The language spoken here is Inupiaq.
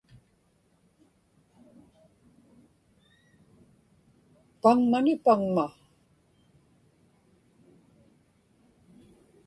paŋmani paŋma